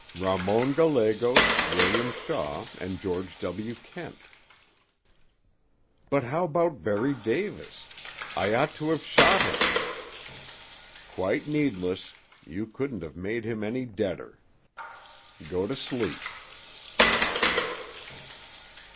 "Ramon Gallegos, William Shaw and George W. Kent." "But how about Berry Davis? I ought to have shot him." "Quite needless; you couldn't have made him any deader. Go to sleep."